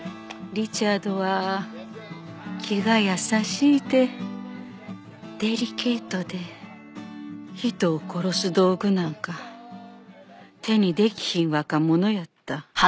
リチャードは気が優しいてデリケートで人を殺す道具なんか手にできひん若者やった。